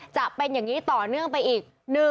จะเป็นอย่างนี้ต่อเนื่องไปอีก